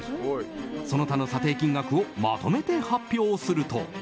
その他の査定金額をまとめて発表すると。